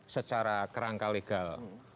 secara kerangka legal